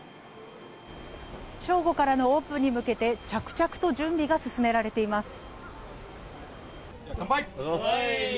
正午からのオープンに向け着々と準備が進められています。